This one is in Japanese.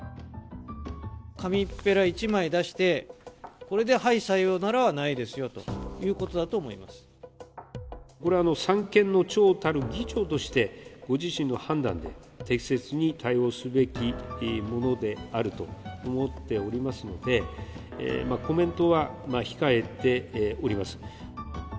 紙っぺら１枚出して、これで、はい、さようならはないですよとこれ、三権の長たる議長としてご自身の判断で適切に対応すべきものであると思っておりますので、コメントは控えております。